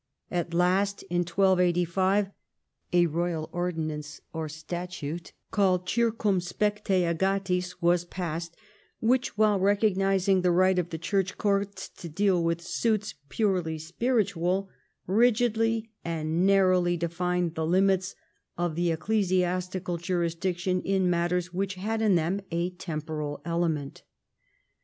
At last in 1285 a roj^al ordinance or statute, called Circmmpede agatis, was passed, Avliich, Avhile recognising the right of the church courts to deal with suits purely spiritual, rigidly and narrowly defined the limits of the ecclesiastical jurisdiction in matters which had in them a temporal element.